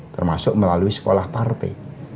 termasuk melalui sekolah partai